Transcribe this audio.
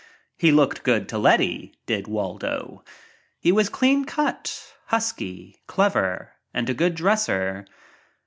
He looked good to Letty, did Waldo. He was clean cut, husky, clever and a good dresser.